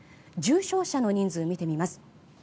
重症者の人数を見てみます。